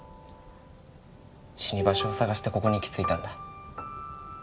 死に場所を探してここに行き着いたんだ。